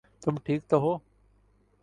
تم ٹھیک تو ہو؟